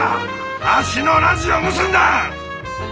わしのラジオ盗んだん！